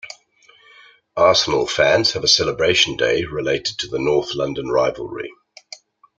Arsenal fans have a celebration day related to the north London rivalry.